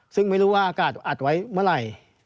ซึ่งไม่รู้ว่าอากาศอัดไว้เมื่อไหร่